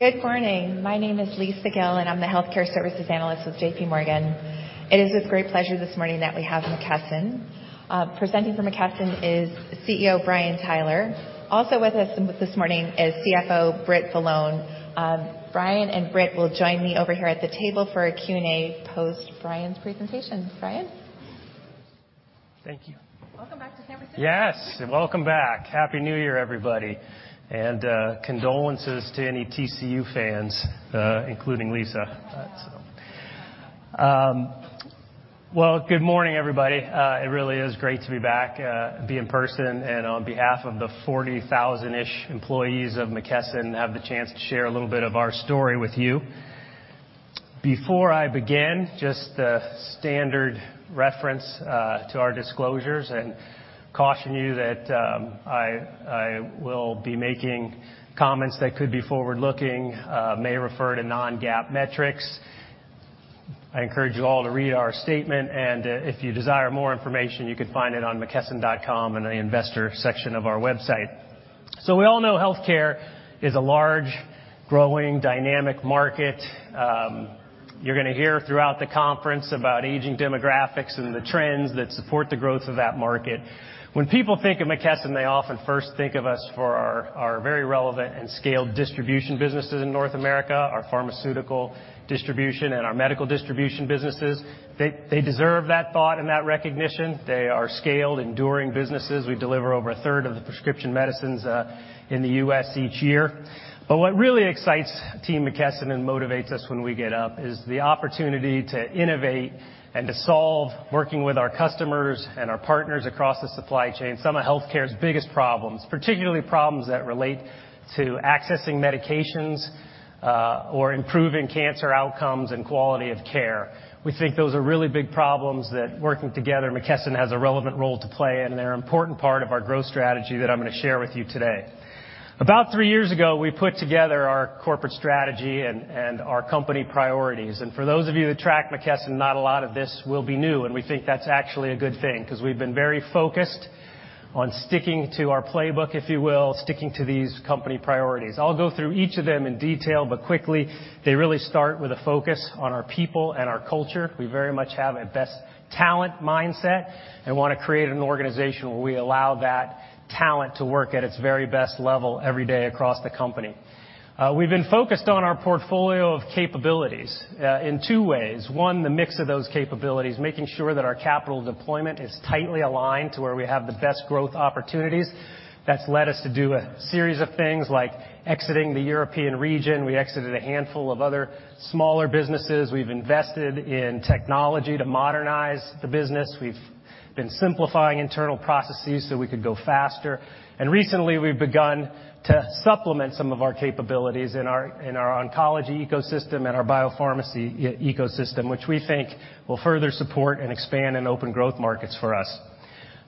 Good morning. My name is Lisa Gill, and I'm the Healthcare Services analyst with. It is with great pleasure this morning that we have McKesson. Presenting for McKesson is CEO Brian Tyler. Also with us this morning is CFO Britt Vitalone. Brian and Britt will join me over here at the table for a Q&A post Brian's presentation. Brian? Thank you. Welcome back to San Francisco. Yes, welcome back. Happy New Year, everybody. Condolences to any TCU fans, including Lisa. Well, good morning, everybody. It really is great to be back, be in person, and on behalf of the 40,000-ish employees of McKesson, have the chance to share a little bit of our story with you. Before I begin, just the standard reference to our disclosures and caution you that I will be making comments that could be forward-looking, may refer to non-GAAP metrics. I encourage you all to read our statement, if you desire more information, you can find it on mckesson.com in the investor section of our website. We all know healthcare is a large, growing, dynamic market. You're gonna hear throughout the conference about aging demographics and the trends that support the growth of that market. When people think of McKesson, they often first think of us for our very relevant and scaled distribution businesses in North America, our pharmaceutical distribution, and our medical distribution businesses. They deserve that thought and that recognition. They are scaled, enduring businesses. We deliver over a third of the prescription medicines in the U.S. each year. What really excites team McKesson and motivates us when we get up is the opportunity to innovate and to solve, working with our customers and our partners across the supply chain, some of healthcare's biggest problems, particularly problems that relate to accessing medications or improving cancer outcomes and quality of care. We think those are really big problems that working together, McKesson has a relevant role to play, and they're an important part of our growth strategy that I'm gonna share with you today. About three years ago, we put together our corporate strategy and our company priorities. For those of you who track McKesson, not a lot of this will be new, and we think that's actually a good thing, 'cause we've been very focused on sticking to our playbook, if you will, sticking to these company priorities. I'll go through each of them in detail, but quickly, they really start with a focus on our people and our culture. We very much have a best talent mindset and wanna create an organization where we allow that talent to work at its very best level every day across the company. We've been focused on our portfolio of capabilities in two ways. One, the mix of those capabilities, making sure that our capital deployment is tightly aligned to where we have the best growth opportunities. That's led us to do a series of things like exiting the European region. We exited a handful of other smaller businesses. We've invested in technology to modernize the business. We've been simplifying internal processes so we could go faster. Recently, we've begun to supplement some of our capabilities in our oncology ecosystem and our biopharmacy ecosystem, which we think will further support and expand and open growth markets for us.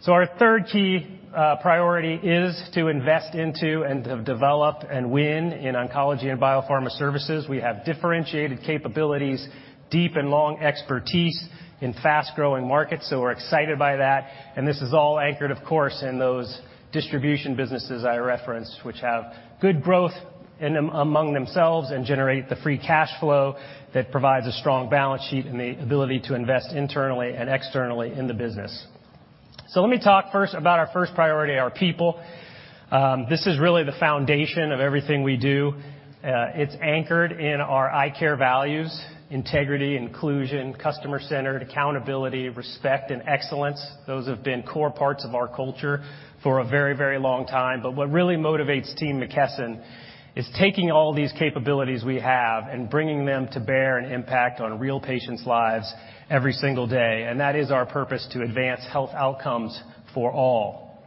Our third key priority is to invest into and develop and win in oncology and biopharma services. We have differentiated capabilities, deep and long expertise in fast-growing markets, we're excited by that. This is all anchored, of course, in those distribution businesses I referenced, which have good growth in them, among themselves and generate the free cash flow that provides a strong balance sheet and the ability to invest internally and externally in the business. Let me talk first about our first priority, our people. This is really the foundation of everything we do. It's anchored in our ICARE values, integrity, inclusion, customer centered, accountability, respect and excellence. Those have been core parts of our culture for a very, very long time. What really motivates team McKesson is taking all these capabilities we have and bringing them to bear and impact on real patients' lives every single day. That is our purpose, to advance health outcomes for all.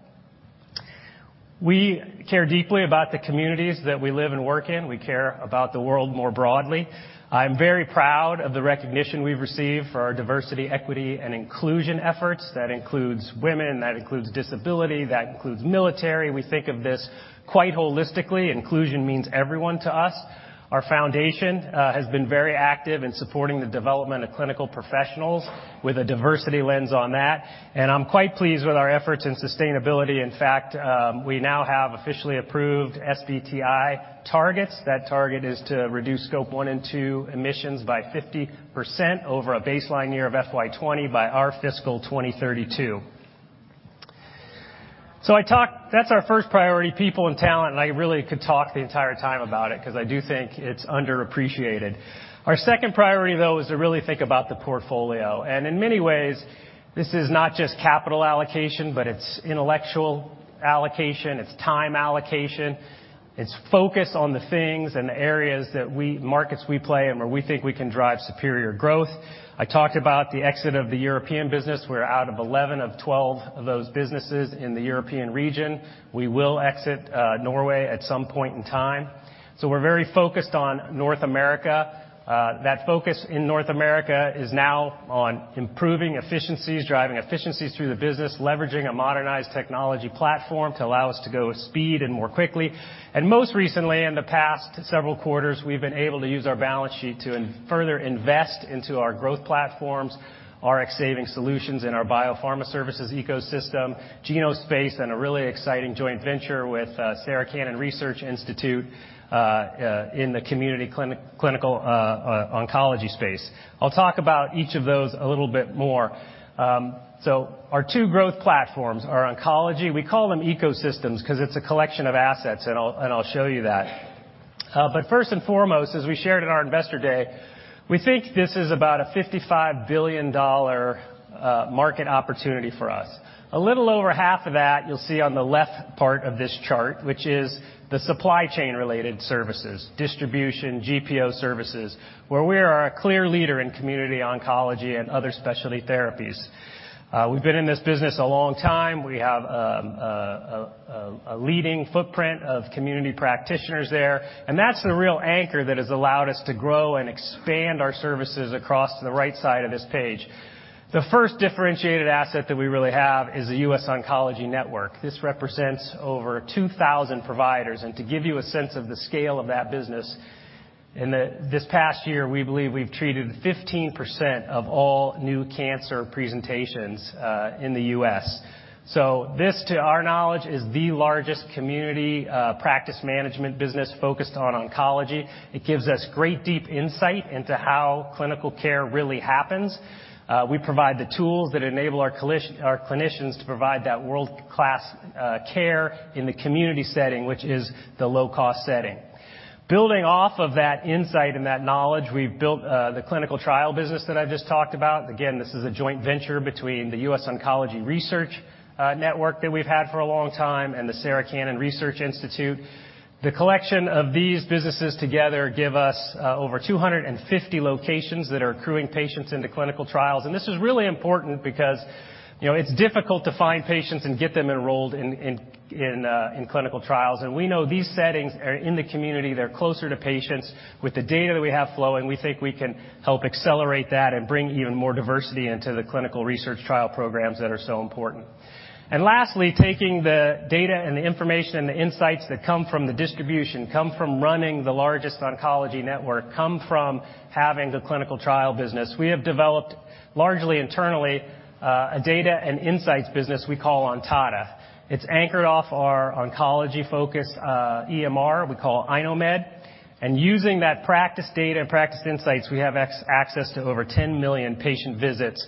We care deeply about the communities that we live and work in. We care about the world more broadly. I'm very proud of the recognition we've received for our diversity, equity, and inclusion efforts. That includes women, that includes disability, that includes military. We think of this quite holistically. Inclusion means everyone to us. Our foundation has been very active in supporting the development of clinical professionals with a diversity lens on that, I'm quite pleased with our efforts in sustainability. In fact, we now have officially approved SBTI targets. That target is to reduce Scope 1 and 2 emissions by 50% over a baseline year of FY'20 by our fiscal 2032. That's our first priority, people and talent, I really could talk the entire time about it, 'cause I do think it's underappreciated. Our second priority, though, is to really think about the portfolio. In many ways, this is not just capital allocation, but it's intellectual allocation, it's time allocation. It's focus on the things and the areas that we markets we play and where we think we can drive superior growth. I talked about the exit of the European business. We're out of 11 of 12 of those businesses in the European region. We will exit Norway at some point in time. We're very focused on North America. That focus in North America is now on improving efficiencies, driving efficiencies through the business, leveraging a modernized technology platform to allow us to go with speed and more quickly. Most recently, in the past several quarters, we've been able to use our balance sheet to further invest into our growth platforms, RxSaving Solutions in our biopharma services ecosystem, Genospace, and a really exciting joint venture with Sarah Cannon Research Institute in the community clinical oncology space. I'll talk about each of those a little bit more. Our two growth platforms are oncology. We call them ecosystems 'cause it's a collection of assets, and I'll show you that. First and foremost, as we shared in our investor day, we think this is about a $55 billion market opportunity for us. A little over half of that you'll see on the left part of this chart, which is the supply chain related services, distribution, GPO services, where we are a clear leader in community oncology and other specialty therapies. We've been in this business a long time. We have a leading footprint of community practitioners there, that's the real anchor that has allowed us to grow and expand our services across to the right side of this page. The first differentiated asset that we really have is The U.S. Oncology Network. This represents over 2,000 providers. To give you a sense of the scale of that business, in this past year, we believe we've treated 15% of all new cancer presentations in the U.S. This, to our knowledge, is the largest community practice management business focused on oncology. It gives us great deep insight into how clinical care really happens. We provide the tools that enable our clinicians to provide that world-class care in the community setting, which is the low-cost setting. Building off of that insight and that knowledge, we've built the clinical trial business that I just talked about. Again, this is a joint venture between the US Oncology Research Network that we've had for a long time and the Sarah Cannon Research Institute. The collection of these businesses together give us over 250 locations that are accruing patients into clinical trials. This is really important because, you know, it's difficult to find patients and get them enrolled in clinical trials. We know these settings are in the community, they're closer to patients. With the data that we have flowing, we think we can help accelerate that and bring even more diversity into the clinical research trial programs that are so important. Lastly, taking the data and the information and the insights that come from the distribution, come from running the largest oncology network, come from having the clinical trial business. We have developed, largely internally, a data and insights business we call Ontada. It's anchored off our oncology-focused EMR we call iKnowMed. Using that practice data and practice insights, we have access to over 10 million patient visits.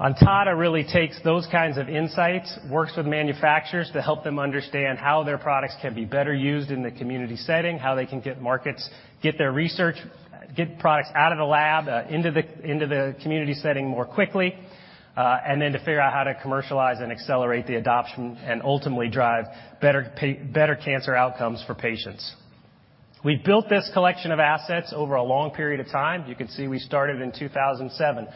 Ontada really takes those kinds of insights, works with manufacturers to help them understand how their products can be better used in the community setting, how they can get markets, get their research, get products out of the lab, into the community setting more quickly, to figure out how to commercialize and accelerate the adoption and ultimately drive better cancer outcomes for patients. We built this collection of assets over a long period of time. You can see we started in 2007.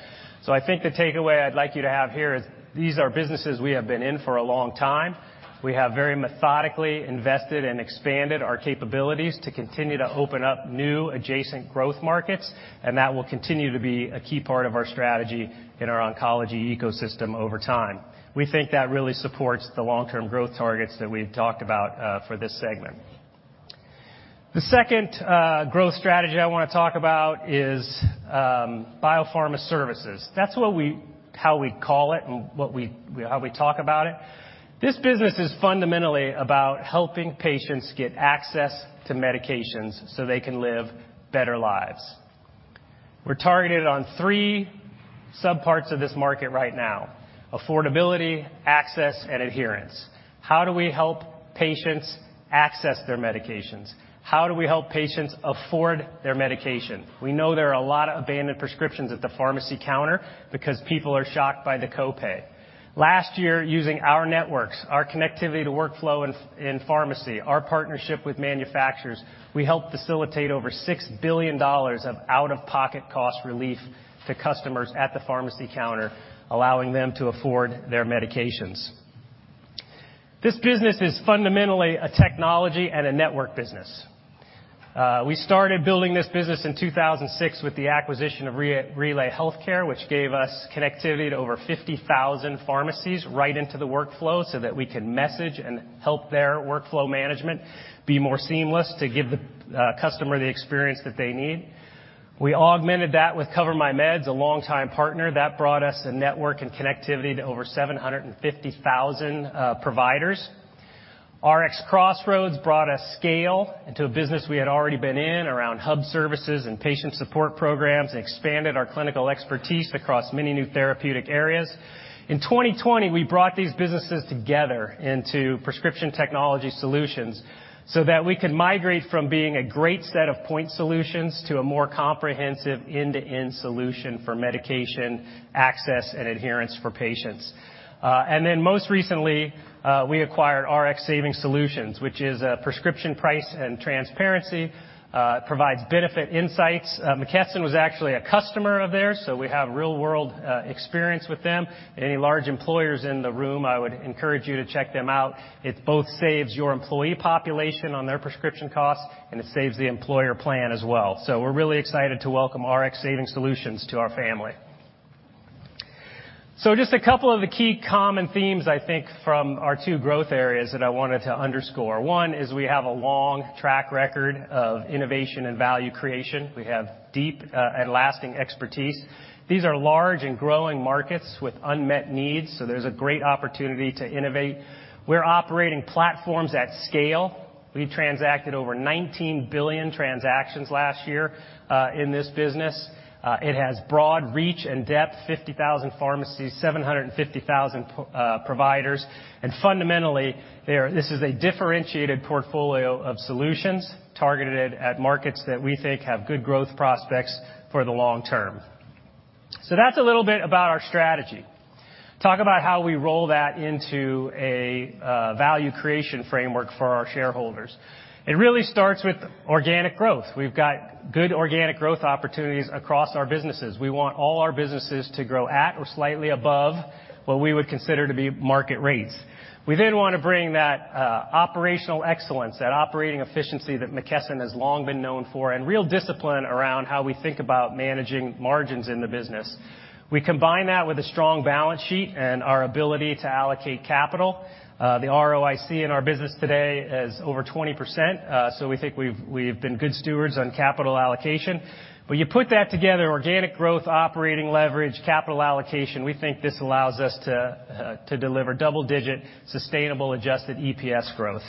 I think the takeaway I'd like you to have here is these are businesses we have been in for a long time. We have very methodically invested and expanded our capabilities to continue to open up new adjacent growth markets, and that will continue to be a key part of our strategy in our oncology ecosystem over time. We think that really supports the long-term growth targets that we've talked about for this segment. The second growth strategy I wanna talk about is biopharma services. That's how we call it and how we talk about it. This business is fundamentally about helping patients get access to medications so they can live better lives. We're targeted on three sub-parts of this market right now: affordability, access, and adherence. How do we help patients access their medications? How do we help patients afford their medication? We know there are a lot of abandoned prescriptions at the pharmacy counter because people are shocked by the copay. Last year, using our networks, our connectivity to workflow in pharmacy, our partnership with manufacturers, we helped facilitate over $6 billion of out-of-pocket cost relief to customers at the pharmacy counter, allowing them to afford their medications. This business is fundamentally a technology and a network business. We started building this business in 2006 with the acquisition of RelayHealth, which gave us connectivity to over 50,000 pharmacies right into the workflow so that we can message and help their workflow management be more seamless to give the customer the experience that they need. We augmented that with CoverMyMeds, a long-time partner, that brought us the network and connectivity to over 750,000 providers. RxCrossroads brought us scale into a business we had already been in around hub services and patient support programs, expanded our clinical expertise across many new therapeutic areas. In 2020, we brought these businesses together into Prescription Technology Solutions so that we could migrate from being a great set of point solutions to a more comprehensive end-to-end solution for medication access and adherence for patients. Most recently, we acquired RxSaving Solutions, which is a prescription price and transparency, provides benefit insights. McKesson was actually a customer of theirs. We have real-world experience with them. Any large employers in the room, I would encourage you to check them out. It both saves your employee population on their prescription costs. It saves the employer plan as well. We're really excited to welcome RxSaving Solutions to our family. Just a couple of the key common themes, I think, from our two growth areas that I wanted to underscore. One is we have a long track record of innovation and value creation. We have deep and lasting expertise. These are large and growing markets with unmet needs, so there's a great opportunity to innovate. We're operating platforms at scale. We transacted over 19 billion transactions last year in this business. It has broad reach and depth, 50,000 pharmacies, 750,000 providers. Fundamentally, this is a differentiated portfolio of solutions targeted at markets that we think have good growth prospects for the long term. That's a little bit about our strategy. Talk about how we roll that into a value creation framework for our shareholders. It really starts with organic growth. We've got good organic growth opportunities across our businesses. We want all our businesses to grow at or slightly above what we would consider to be market rates. We wanna bring that operational excellence, that operating efficiency that McKesson has long been known for, and real discipline around how we think about managing margins in the business. We combine that with a strong balance sheet and our ability to allocate capital. The ROIC in our business today is over 20%, so we think we've been good stewards on capital allocation. When you put that together, organic growth, operating leverage, capital allocation, we think this allows us to deliver double-digit, sustainable, adjusted EPS growth.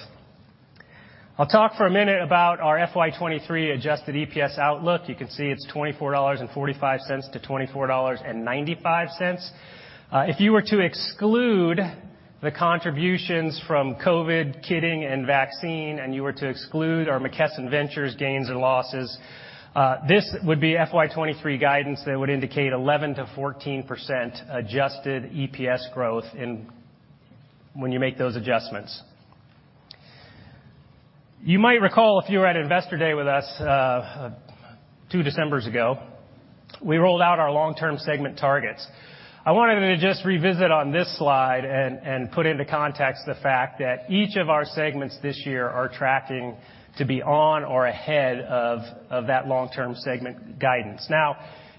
I'll talk for a minute about our FY'23 adjusted EPS outlook. You can see it's $24.45-$24.95. If you were to exclude the contributions from COVID, kitting, and vaccine, and you were to exclude our McKesson Ventures gains and losses, this would be FY'23 guidance that would indicate 11%-14% adjusted EPS growth when you make those adjustments. You might recall, if you were at Investor Day with us, two Decembers ago, we rolled out our long-term segment targets. I wanted to just revisit on this slide and put into context the fact that each of our segments this year are tracking to be on or ahead of that long-term segment guidance.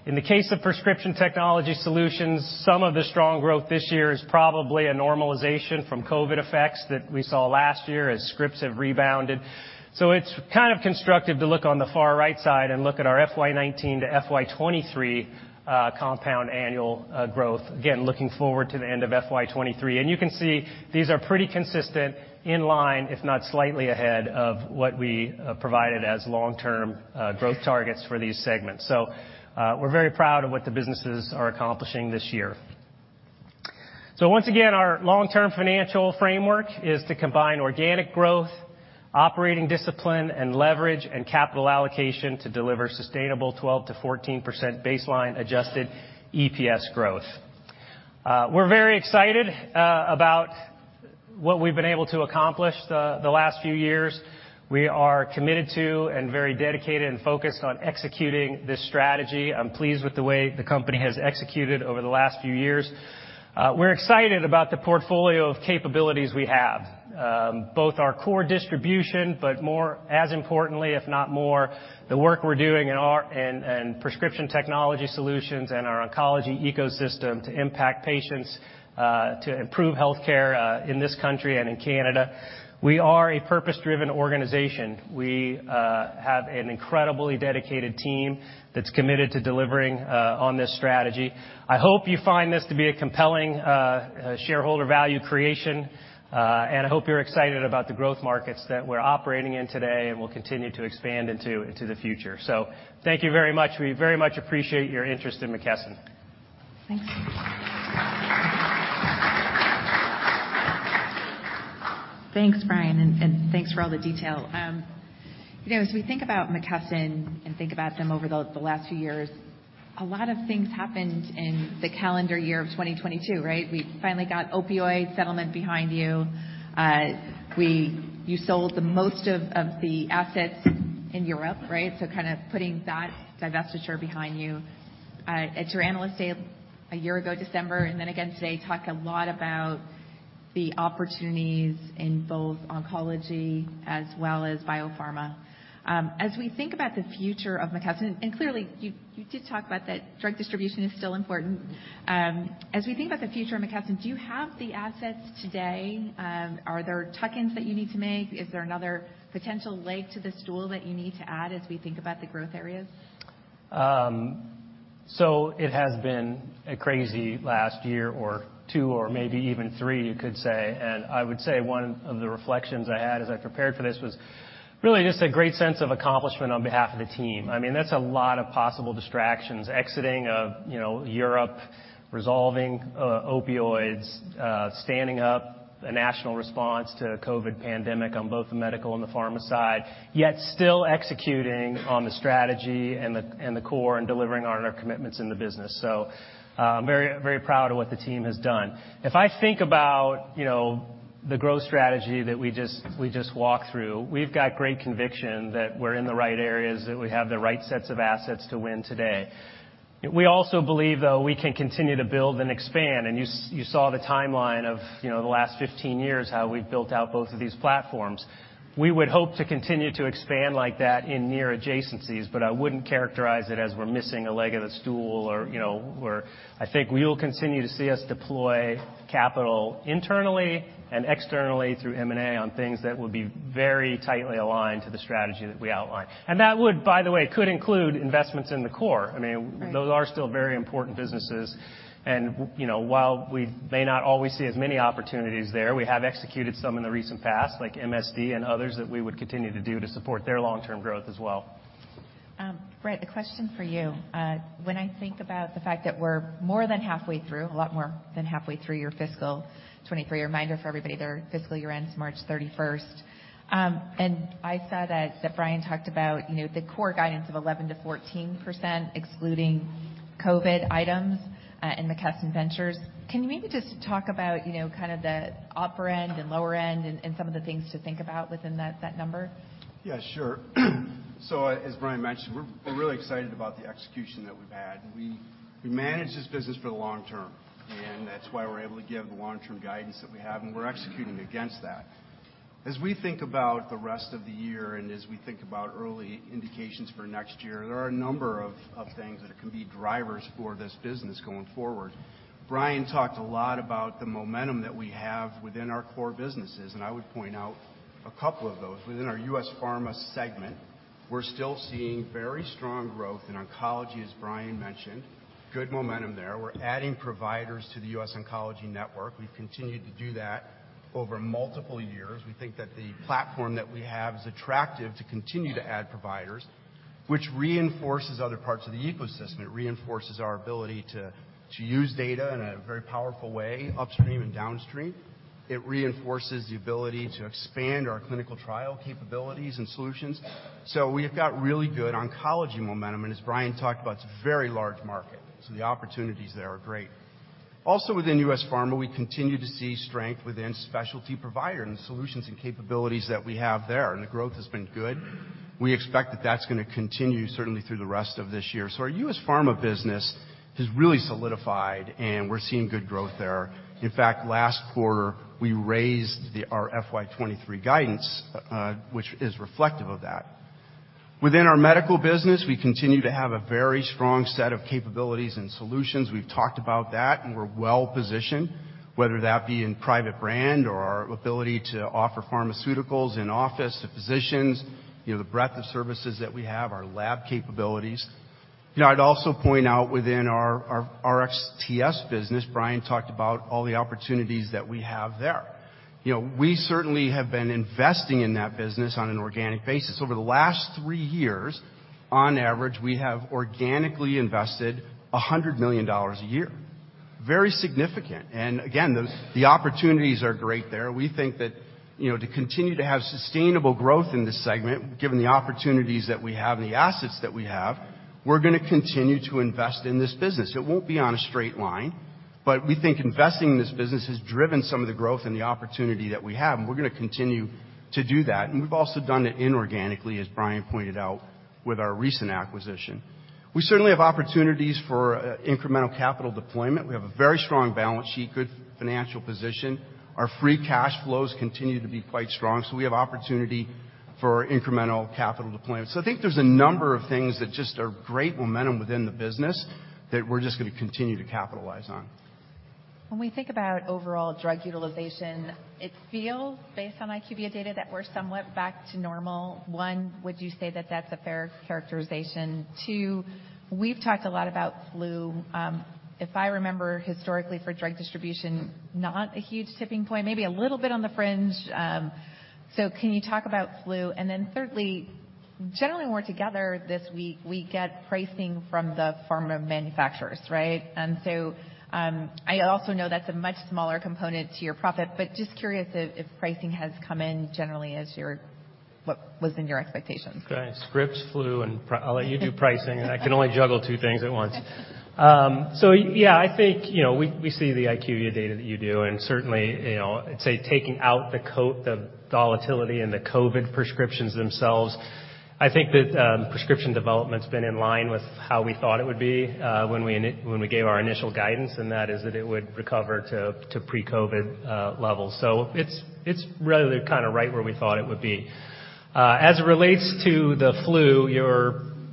In the case of Prescription Technology Solutions, some of the strong growth this year is probably a normalization from COVID effects that we saw last year as scripts have rebounded. it's kind of constructive to look on the far right side and look at our FY'19 to FY'23 compound annual growth. Again, looking forward to the end of FY'23. you can see these are pretty consistent in line, if not slightly ahead, of what we provided as long-term growth targets for these segments. we're very proud of what the businesses are accomplishing this year. Once again, our long-term financial framework is to combine organic growth, operating discipline, and leverage and capital allocation to deliver sustainable 12%-14% baseline adjusted EPS growth. we're very excited about what we've been able to accomplish the last few years. We are committed to and very dedicated and focused on executing this strategy. I'm pleased with the way the company has executed over the last few years. We're excited about the portfolio of capabilities we have. Both our core distribution, more, as importantly, if not more, the work we're doing in our Prescription Technology Solutions and our oncology ecosystem to impact patients, to improve healthcare in this country and in Canada. We are a purpose-driven organization. We have an incredibly dedicated team that's committed to delivering on this strategy. I hope you find this to be a compelling shareholder value creation, and I hope you're excited about the growth markets that we're operating in today and will continue to expand into the future. Thank you very much. We very much appreciate your interest in McKesson. Thanks. Thanks, Brian, and thanks for all the detail. You know, as we think about McKesson and think about them over the last few years, a lot of things happened in the calendar year of 2022, right? We finally got opioid settlement behind you. You sold the most of the assets in Europe, right? Kinda putting that divestiture behind you. At your Analyst Day a year ago December, then again today, talked a lot about the opportunities in both oncology as well as biopharma. As we think about the future of McKesson, clearly you did talk about that drug distribution is still important. As we think about the future of McKesson, do you have the assets today? Are there tuck-ins that you need to make? Is there another potential leg to the stool that you need to add as we think about the growth areas? It has been a crazy last year or two or maybe even three, you could say. I would say one of the reflections I had as I prepared for this was really just a great sense of accomplishment on behalf of the team. I mean, that's a lot of possible distractions exiting of, you know, Europe, resolving opioids, standing up a national response to COVID pandemic on both the medical and the pharma side, yet still executing on the strategy and the, and the core and delivering on our commitments in the business. Very, very proud of what the team has done. If I think about, you know, the growth strategy that we just walked through, we've got great conviction that we're in the right areas, that we have the right sets of assets to win today. We also believe, though, we can continue to build and expand, and you saw the timeline of, you know, the last 15 years, how we've built out both of these platforms. We would hope to continue to expand like that in near adjacencies, but I wouldn't characterize it as we're missing a leg of the stool or, you know, I think you'll continue to see us deploy capital internally and externally through M&A on things that would be very tightly aligned to the strategy that we outlined. That would, by the way, could include investments in the core. I mean. Right. Those are still very important businesses. You know, while we may not always see as many opportunities there, we have executed some in the recent past, like MSD and others that we would continue to do to support their long-term growth as well. Britt, a question for you. When I think about the fact that we're more than halfway through, a lot more than halfway through your FY'23, a reminder for everybody, their fiscal year ends March 31st. I saw that Brian talked about, you know, the core guidance of 11%-14%, excluding COVID items, in the McKesson Ventures. Can you maybe just talk about, you know, kind of the upper end and lower end and some of the things to think about within that number? Yeah, sure. As Brian mentioned, we're really excited about the execution that we've had. We manage this business for the long term, and that's why we're able to give the long-term guidance that we have, and we're executing against that. As we think about the rest of the year and as we think about early indications for next year, there are a number of things that can be drivers for this business going forward. Brian talked a lot about the momentum that we have within our core businesses, and I would point out a couple of those. Within our U.S. Pharmaceutical segment, we're still seeing very strong growth in oncology, as Brian mentioned. Good momentum there. We're adding providers to The U.S. Oncology Network. We've continued to do that over multiple years. We think that the platform that we have is attractive to continue to add providers, which reinforces other parts of the ecosystem. It reinforces our ability to use data in a very powerful way, upstream and downstream. It reinforces the ability to expand our clinical trial capabilities and solutions. We've got really good oncology momentum, and as Brian talked about, it's a very large market, the opportunities there are great. Also, within U.S. Pharmaceutical, we continue to see strength within specialty providers and the solutions and capabilities that we have there, the growth has been good. We expect that that's gonna continue certainly through the rest of this year. Our U.S. Pharmaceutical business has really solidified, we're seeing good growth there. In fact, last quarter, we raised our FY '23 guidance, which is reflective of that. Within our medical business, we continue to have a very strong set of capabilities and solutions. We've talked about that. We're well positioned, whether that be in private brand or our ability to offer pharmaceuticals in office to physicians, you know, the breadth of services that we have, our lab capabilities. You know, I'd also point out within our RXTS business, Brian talked about all the opportunities that we have there. You know, we certainly have been investing in that business on an organic basis. Over the last three years, on average, we have organically invested $100 million a year. Very significant. Again, the opportunities are great there. We think that, you know, to continue to have sustainable growth in this segment, given the opportunities that we have and the assets that we have, we're gonna continue to invest in this business. It won't be on a straight line, but we think investing in this business has driven some of the growth and the opportunity that we have, and we're gonna continue to do that. We've also done it inorganically, as Brian pointed out, with our recent acquisition. We certainly have opportunities for incremental capital deployment. We have a very strong balance sheet, good financial position. Our free cash flows continue to be quite strong, so we have opportunity for incremental capital deployment. I think there's a number of things that just are great momentum within the business that we're just gonna continue to capitalize on. When we think about overall drug utilization, it feels, based on IQVIA data, that we're somewhat back to normal. One, would you say that that's a fair characterization? Two, we've talked a lot about flu. If I remember historically for drug distribution, not a huge tipping point, maybe a little bit on the fringe. Can you talk about flu? Thirdly, generally, when we're together this week, we get pricing from the pharma manufacturers, right? I also know that's a much smaller component to your profit, but just curious if pricing has come in generally what was in your expectations. Okay. Scripts, flu, and I'll let you do pricing. I can only juggle two things at once. Yeah, I think, you know, we see the IQVIA data that you do, and certainly, you know, I'd say taking out the volatility and the COVID prescriptions themselves, I think that prescription development's been in line with how we thought it would be when we gave our initial guidance, and that is that it would recover to pre-COVID levels. It's really kind of right where we thought it would be. As it relates to the flu,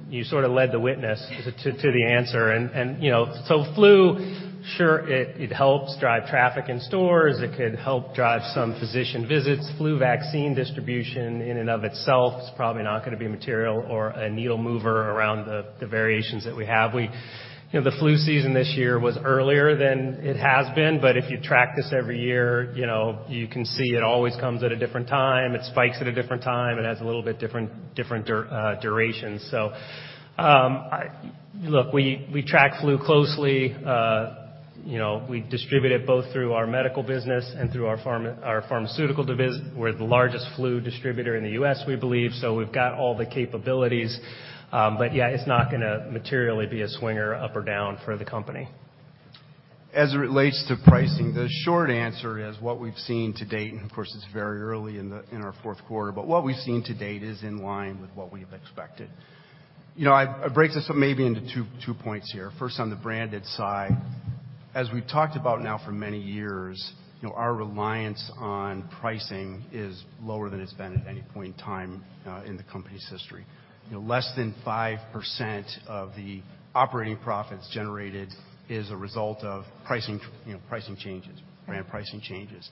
you sort of led the witness to the answer. You know, flu, sure, it helps drive traffic in stores. It could help drive some physician visits. Flu vaccine distribution in and of itself is probably not gonna be material or a needle mover around the variations that we have. you know, the flu season this year was earlier than it has been, but if you track this every year, you know, you can see it always comes at a different time. It spikes at a different time. It has a little bit different durations. Look, we track flu closely. you know, we distribute it both through our medical business and through our pharmaceutical. We're the largest flu distributor in the U.S., we believe, so we've got all the capabilities. yeah, it's not gonna materially be a swinger up or down for the company. As it relates to pricing, the short answer is what we've seen to date, of course, it's very early in our fourth quarter, what we've seen to date is in line with what we have expected. You know, I'd break this up maybe into 2 points here. First, on the branded side. As we've talked about now for many years, you know, our reliance on pricing is lower than it's been at any point in time in the company's history. You know, less than 5% of the operating profits generated is a result of pricing, you know, pricing changes, brand pricing changes.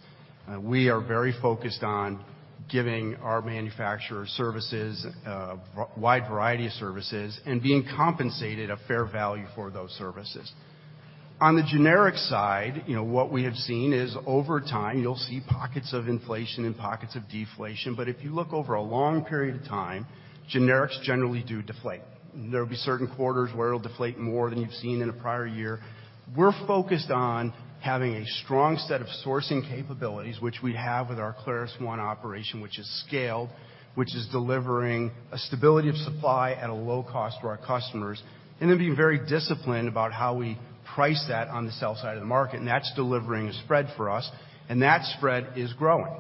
We are very focused on giving our manufacturer services, a wide variety of services and being compensated a fair value for those services. On the generic side, you know, what we have seen is over time, you'll see pockets of inflation and pockets of deflation. If you look over a long period of time, generics generally do deflate. There'll be certain quarters where it'll deflate more than you've seen in a prior year. We're focused on having a strong set of sourcing capabilities, which we have with our ClarusONE operation, which is scaled, which is delivering a stability of supply at a low cost for our customers, then being very disciplined about how we price that on the sell side of the market, and that's delivering a spread for us, and that spread is growing.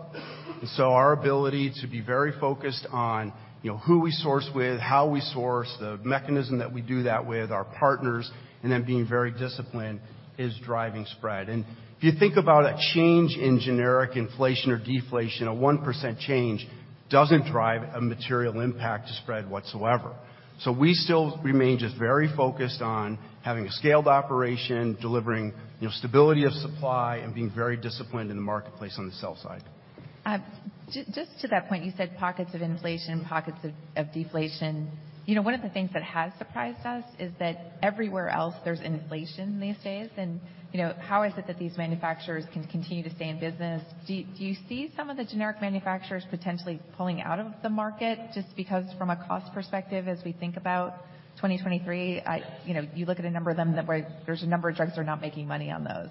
Our ability to be very focused on, you know, who we source with, how we source, the mechanism that we do that with, our partners, and then being very disciplined is driving spread. If you think about a change in generic inflation or deflation, a 1% change doesn't drive a material impact to spread whatsoever. We still remain just very focused on having a scaled operation, delivering, you know, stability of supply and being very disciplined in the marketplace on the sell side. Just to that point, you said pockets of inflation, pockets of deflation. You know, one of the things that has surprised us is that everywhere else, there's inflation these days, and, you know, how is it that these manufacturers can continue to stay in business? Do you see some of the generic manufacturers potentially pulling out of the market, just because from a cost perspective, as we think about 2023? You know, you look at a number of them that way, there's a number of drugs they're not making money on those.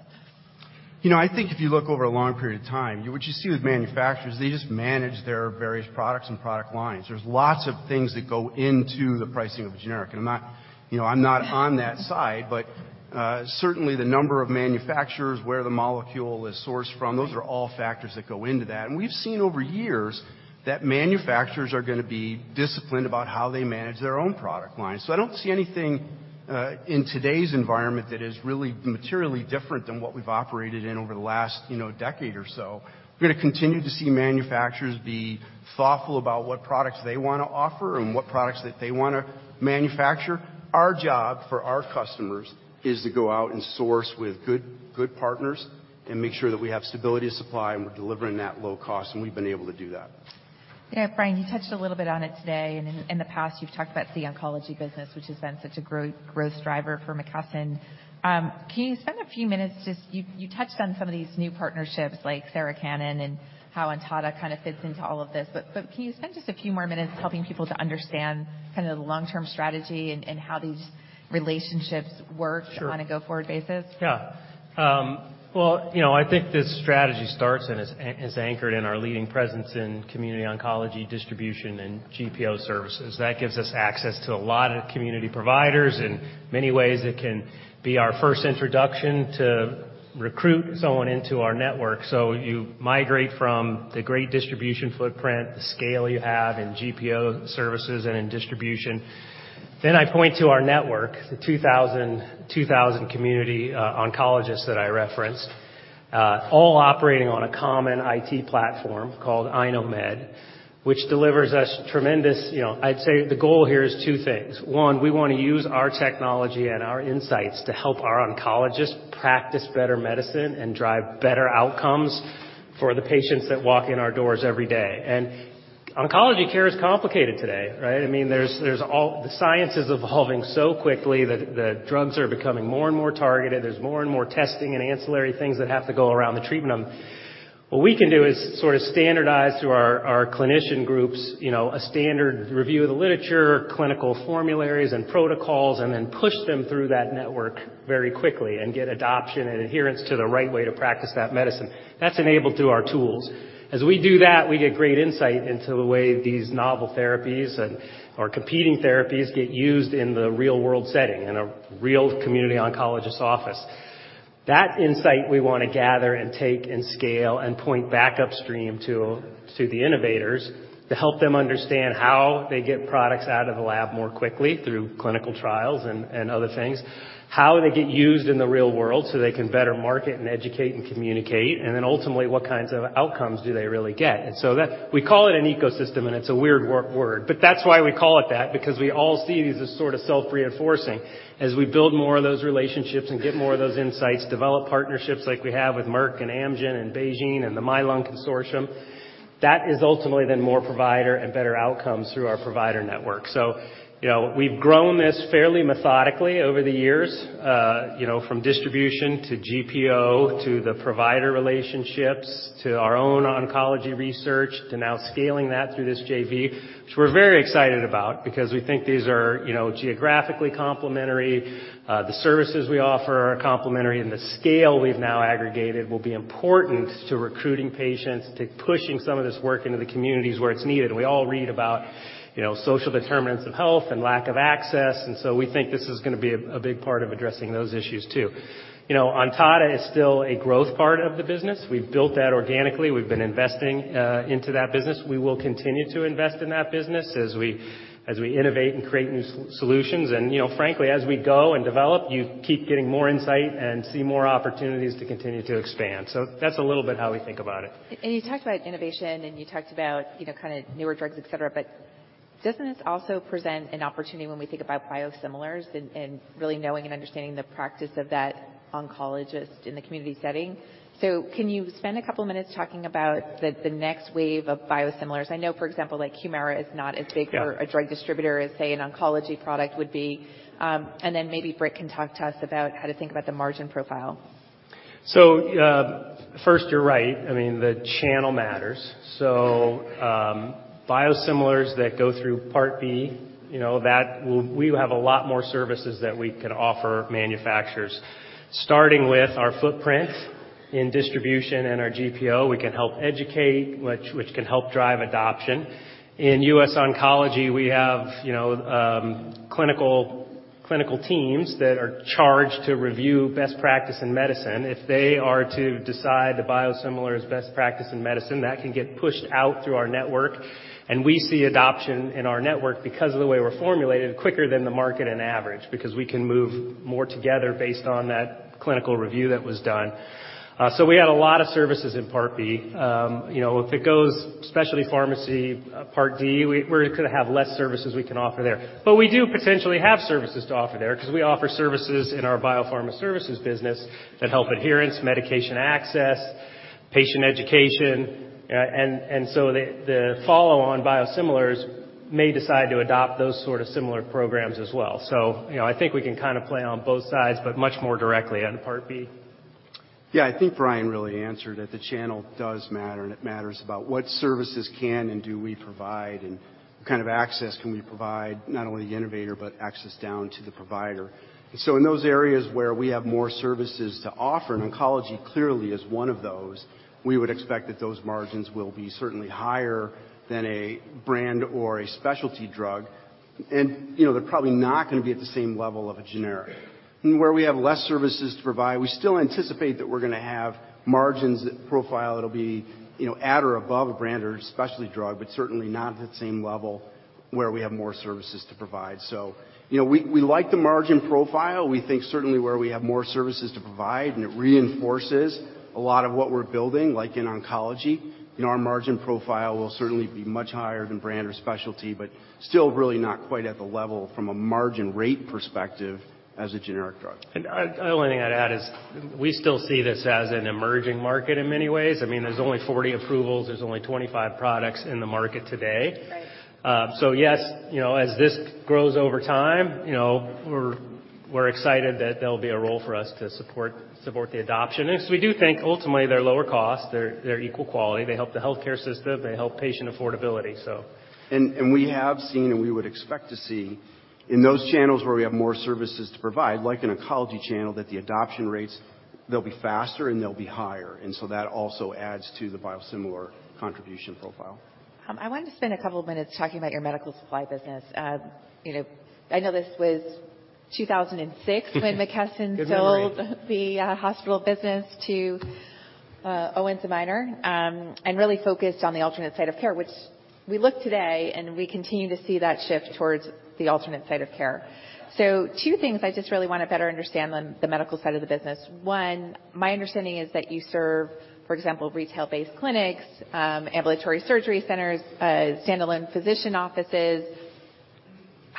You know, I think if you look over a long period of time, what you see with manufacturers, they just manage their various products and product lines. There's lots of things that go into the pricing of a generic. I'm not, you know, I'm not on that side, but certainly the number of manufacturers, where the molecule is sourced from, those are all factors that go into that. We've seen over years that manufacturers are gonna be disciplined about how they manage their own product lines. I don't see anything in today's environment that is really materially different than what we've operated in over the last, you know, decade or so. We're gonna continue to see manufacturers be thoughtful about what products they wanna offer and what products that they wanna manufacture. Our job for our customers is to go out and source with good partners and make sure that we have stability of supply, and we're delivering that low cost, and we've been able to do that. Yeah, Brian, you touched a little bit on it today, and in the past, you've talked about the oncology business, which has been such a growth driver for McKesson. Can you spend a few minutes? You touched on some of these new partnerships like Sarah Cannon and how Ontada kinda fits into all of this, but can you spend just a few more minutes helping people to understand kinda the long-term strategy and how these relationships work? Sure. On a go-forward basis? Well, you know, I think this strategy starts and is anchored in our leading presence in community oncology distribution and GPO services. That gives us access to a lot of community providers. In many ways, it can be our first introduction to recruit someone into our network. You migrate from the great distribution footprint, the scale you have in GPO services and in distribution. I point to our network, the 2,000 community oncologists that I referenced, all operating on a common IT platform called iKnowMed, which delivers us tremendous, you know. I'd say the goal here is two things. One, we wanna use our technology and our insights to help our oncologists practice better medicine and drive better outcomes for the patients that walk in our doors every day. Oncology care is complicated today, right? I mean, The science is evolving so quickly that drugs are becoming more and more targeted. There's more and more testing and ancillary things that have to go around the treatment of them. What we can do is sorta standardize through our clinician groups, you know, a standard review of the literature, clinical formularies and protocols, and then push them through that network very quickly and get adoption and adherence to the right way to practice that medicine. That's enabled through our tools. As we do that, we get great insight into the way these novel therapies and our competing therapies get used in the real-world setting, in a real community oncologist's office. That insight we wanna gather and take and scale and point back upstream to the innovators to help them understand how they get products out of the lab more quickly through clinical trials and other things, how they get used in the real world so they can better market and educate and communicate, and then ultimately, what kinds of outcomes do they really get? So that, we call it an ecosystem, and it's a weird word, but that's why we call it that, because we all see these as sorta self-reinforcing. As we build more of those relationships and get more of those insights, develop partnerships like we have with Merck and Amgen and BeiGene and the MyLUNG Consortium, that is ultimately then more provider and better outcomes through our provider network. You know, we've grown this fairly methodically over the years, you know, from distribution to GPO to the provider relationships to our own oncology research to now scaling that through this JV, which we're very excited about because we think these are, you know, geographically complementary. The services we offer are complementary, and the scale we've now aggregated will be important to recruiting patients, to pushing some of this work into the communities where it's needed. We all read about, you know, social determinants of health and lack of access, and so we think this is gonna be a big part of addressing those issues too. You know, Ontada is still a growth part of the business. We've built that organically. We've been investing into that business. We will continue to invest in that business as we innovate and create new solutions. You know, frankly, as we go and develop, you keep getting more insight and see more opportunities to continue to expand. That's a little bit how we think about it. And you talked about innovation, and you talked about, you know, kinda newer drugs, et cetera, but doesn't this also present an opportunity when we think about biosimilars and really knowing and understanding the practice of that oncologist in the community setting? Can you spend a couple minutes talking about the next wave of biosimilars? I know, for example, like Humira is not as big. Yeah. a drug distributor as, say, an oncology product would be. maybe Britt can talk to us about how to think about the margin profile. First, you're right. I mean, the channel matters. Biosimilars that go through Part D, you know, We have a lot more services that we can offer manufacturers, starting with our footprint in distribution and our GPO. We can help educate, which can help drive adoption. In U.S. Oncology, we have, you know, clinical teams that are charged to review best practice in medicine. If they are to decide the biosimilar's best practice in medicine, that can get pushed out through our network, and we see adoption in our network because of the way we're formulated quicker than the market in average, because we can move more together based on that clinical review that was done. We had a lot of services in Part D. You know, if it goes specialty pharmacy, Part D, we're gonna have less services we can offer there. We do potentially have services to offer there 'cause we offer services in our biopharma services business that help adherence, medication access, patient education. So the follow on biosimilars may decide to adopt those sort of similar programs as well. You know, I think we can kinda play on both sides, but much more directly on Part B. Yeah. I think Brian really answered it. The channel does matter, and it matters about what services can and do we provide and what kind of access can we provide, not only the innovator, but access down to the provider. In those areas where we have more services to offer, and oncology clearly is one of those, we would expect that those margins will be certainly higher than a brand or a specialty drug. You know, they're probably not gonna be at the same level of a generic. Where we have less services to provide, we still anticipate that we're gonna have margins profile that'll be, you know, at or above a brand or a specialty drug, but certainly not at the same level where we have more services to provide. You know, we like the margin profile. We think certainly where we have more services to provide, and it reinforces a lot of what we're building, like in oncology. You know, our margin profile will certainly be much higher than brand or specialty, but still really not quite at the level from a margin rate perspective as a generic drug. I, the only thing I'd add is we still see this as an emerging market in many ways. I mean, there's only 40 approvals. There's only 25 products in the market today. Right. Yes, you know, as this grows over time, you know, we're excited that there'll be a role for us to support the adoption. We do think ultimately, they're lower cost, they're equal quality. They help the healthcare system. They help patient affordability, so. We have seen, and we would expect to see in those channels where we have more services to provide, like an oncology channel, that the adoption rates, they'll be faster and they'll be higher. That also adds to the biosimilar contribution profile. I wanted to spend a couple of minutes talking about your medical supply business. you know, I know this was 2006 when It's been very- Sold the hospital business to Owens & Minor, and really focused on the alternate site of care, which we look today, and we continue to see that shift towards the alternate site of care. 2 things I just really wanna better understand on the medical side of the business. 1, my understanding is that you serve, for example, retail-based clinics, ambulatory surgery centers, standalone physician offices.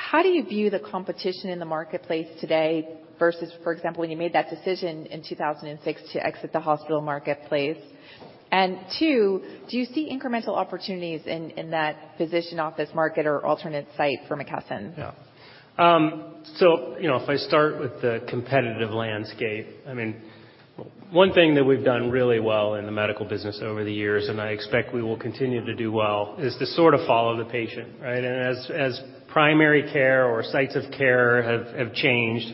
How do you view the competition in the marketplace today versus, for example, when you made that decision in 2006 to exit the hospital marketplace? 2, do you see incremental opportunities in that physician office market or alternate site for McKesson? Yeah. You know, if I start with the competitive landscape, I mean, one thing that we've done really well in the medical business over the years, and I expect we will continue to do well, is to sort of follow the patient, right? As primary care or sites of care have changed,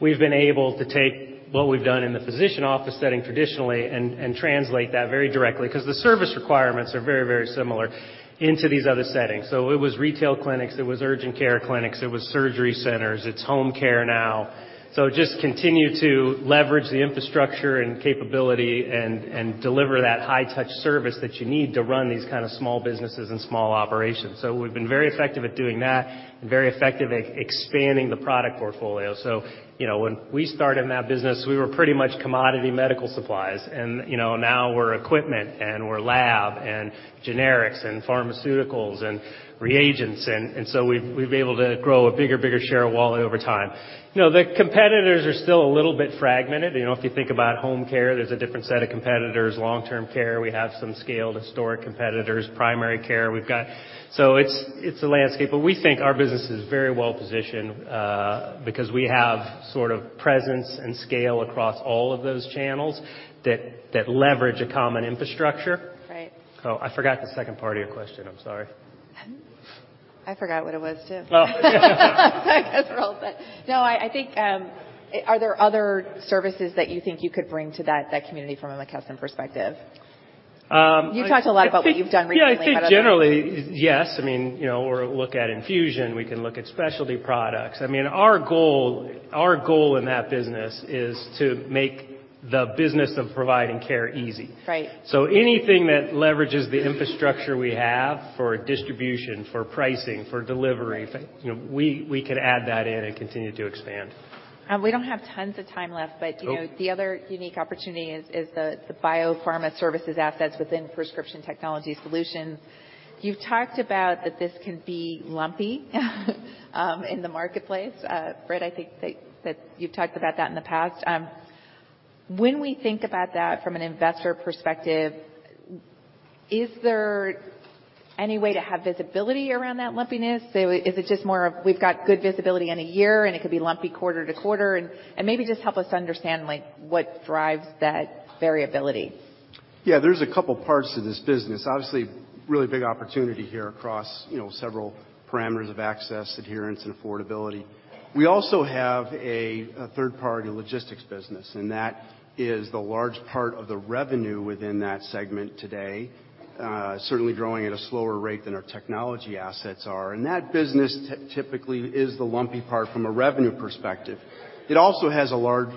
we've been able to take what we've done in the physician office setting traditionally and translate that very directly, 'cause the service requirements are very, very similar into these other settings. It was retail clinics, it was urgent care clinics, it was surgery centers, it's home care now. Just continue to leverage the infrastructure and capability and deliver that high-touch service that you need to run these kind of small businesses and small operations. We've been very effective at doing that and very effective at expanding the product portfolio. You know, when we started in that business, we were pretty much commodity medical supplies. You know, now we're equipment and we're lab and generics and pharmaceuticals and reagents and so we've been able to grow a bigger share of wallet over time. The competitors are still a little bit fragmented. If you think about home care, there's a different set of competitors. Long-term care, we have some scaled historic competitors. Primary care, we've got. It's a landscape, but we think our business is very well-positioned because we have sort of presence and scale across all of those channels that leverage a common infrastructure. Right. I forgot the second part of your question. I'm sorry. I forgot what it was too. Oh. I guess we're all set. No, I think, are there other services that you think you could bring to that community from a McKesson perspective? I think- You've talked a lot about what you've done recently, but other than. Yeah, I think generally, yes. I mean, you know, or look at infusion, we can look at specialty products. I mean, our goal in that business is to make the business of providing care easy. Right. Anything that leverages the infrastructure we have for distribution, for pricing, for delivery. Right you know, we could add that in and continue to expand. We don't have tons of time left, but, you know. Oh. The other unique opportunity is the biopharma services assets within Prescription Technology Solutions. You've talked about that this can be lumpy in the marketplace. Britt, I think that you've talked about that in the past. When we think about that from an investor perspective, Is there any way to have visibility around that lumpiness? Is it just more of we've got good visibility in a year and it could be lumpy quarter to quarter? Maybe just help us understand, like, what drives that variability. Yeah. There's 2 parts to this business. Obviously, really big opportunity here across, you know, several parameters of access, adherence, and affordability. We also have a third-party logistics business. That is the large part of the revenue within that segment today. Certainly growing at a slower rate than our technology assets are. That business typically is the lumpy part from a revenue perspective. It also has a large,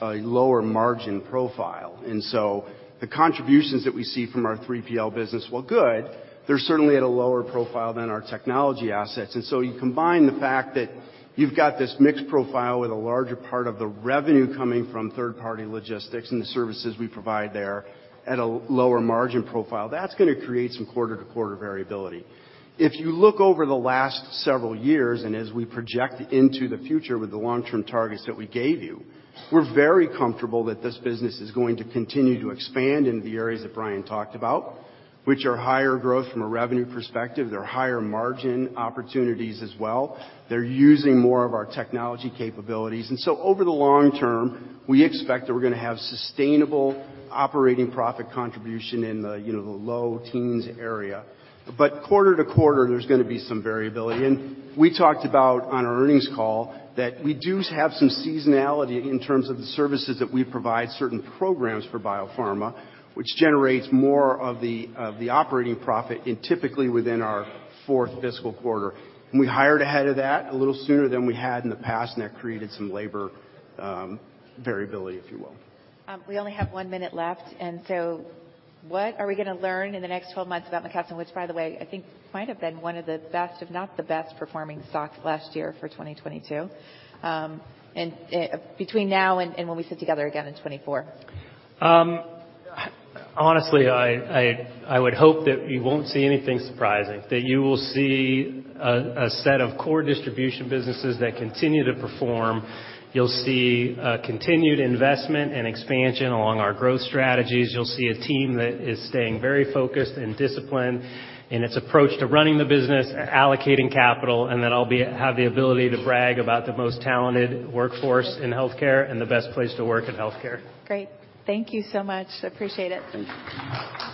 a lower margin profile. The contributions that we see from our 3PL business while good, they're certainly at a lower profile than our technology assets. You combine the fact that you've got this mixed profile with a larger part of the revenue coming from third-party logistics and the services we provide there at a lower margin profile, that's gonna create some quarter-to-quarter variability. If you look over the last several years and as we project into the future with the long-term targets that we gave you, we're very comfortable that this business is going to continue to expand into the areas that Brian talked about, which are higher growth from a revenue perspective. They're higher margin opportunities as well. They're using more of our technology capabilities. Over the long term, we expect that we're gonna have sustainable operating profit contribution in the, you know, the low teens area. Quarter to quarter, there's gonna be some variability. We talked about on our earnings call that we do have some seasonality in terms of the services that we provide certain programs for biopharma, which generates more of the operating profit in typically within our fourth fiscal quarter. We hired ahead of that a little sooner than we had in the past, and that created some labor variability, if you will. We only have one minute left, and so what are we gonna learn in the next 12 months about McKesson, which by the way, I think might have been one of the best, if not the best performing stocks last year for 2022. Between now and when we sit together again in 2024. Honestly, I would hope that you won't see anything surprising, that you will see a set of core distribution businesses that continue to perform. You'll see a continued investment and expansion along our growth strategies. You'll see a team that is staying very focused and disciplined in its approach to running the business, allocating capital, and then I'll have the ability to brag about the most talented workforce in healthcare and the best place to work in healthcare. Great. Thank you so much. Appreciate it. Thank you.